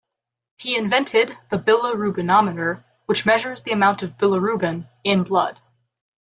He invented the bilirubinometer which measures the amount of bilirubin in blood.